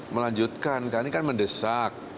melanjutkan karena ini kan mendesak